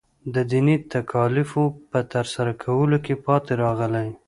د دیني تکالیفو په ترسره کولو کې پاتې راغلی.